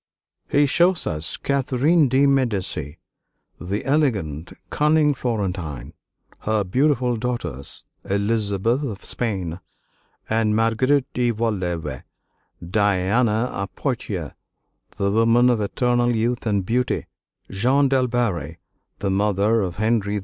He shows us Catherine de' Medici, the elegant, cunning Florentine; her beautiful daughters, Elizabeth of Spain and Marguerite de Valois; Diana of Poitiers, the woman of eternal youth and beauty; Jeanne d'Albret, the mother of Henry IV.